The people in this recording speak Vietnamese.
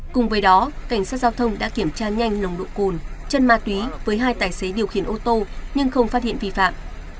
cùng với đó cảnh sát giao thông đã kiểm tra nhanh nồng độ cồn chân ma túy với hai tài xế điều khiển ô tô nhưng không phát hiện vi phạm